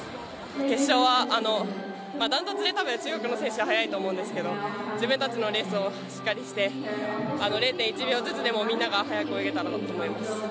決勝は断トツで中国の選手が速いと思うんですけど自分たちのレースをしっかりして０．１秒ずつでもみんなが速く泳げたらと思います。